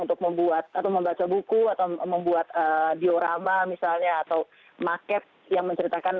untuk membuat atau membaca buku atau membuat diorama misalnya atau market yang menceritakan